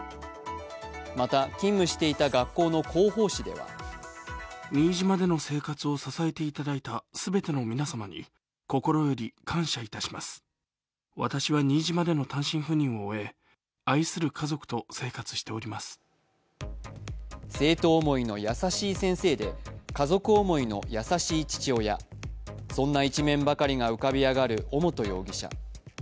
また、勤務していた学校の広報誌では生徒思いの優しい先生で、家族思いの優しい父親、そんな一面ばかりが浮かび上がる尾本容疑者。